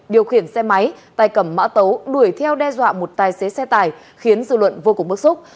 điều khiển xe máy tay cầm mã tấu đuổi theo đe dọa một tài xế xe tài khiến dư luận vô cùng bức xúc